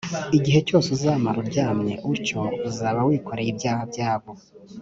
Igihe cyose uzamara uryamye utyo uzaba wikoreye ibyaha byabo